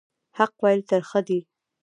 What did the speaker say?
حق ویل ترخه دي